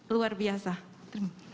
luar biasa terima kasih